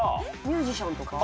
ミュージシャンとか？